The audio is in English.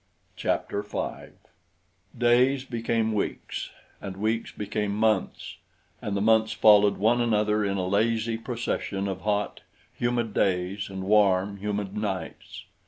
Chapter 5 Days became weeks, and weeks became months, and the months followed one another in a lazy procession of hot, humid days and warm, humid nights.